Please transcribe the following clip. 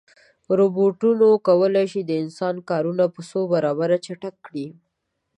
روبوټونه کولی شي د انسان کارونه په څو برابره چټک کړي.